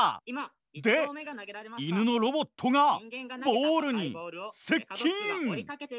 で犬のロボットがボールに接近。